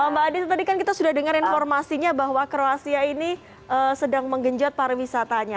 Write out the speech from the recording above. mbak adita tadi kan kita sudah dengar informasinya bahwa kroasia ini sedang menggenjot pariwisatanya